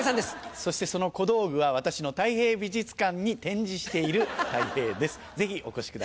そしてその小道具は私のたい平美術館に展示しているたい平ですぜひお越しください。